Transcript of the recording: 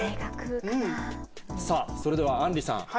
さぁそれではあんりさん。